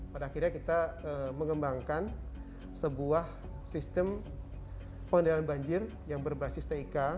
pada akhirnya kita mengembangkan sebuah sistem pengendalian banjir yang berbasis tik